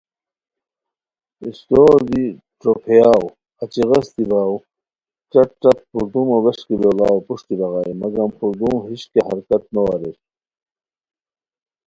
استور دی چو پھیاؤ اچی غیستی باؤ ݯت ݯت پردومو ووݰکی لوڑاؤ پروشٹی بغانی مگم پردوم ہِش کیہ حرکت نو اریر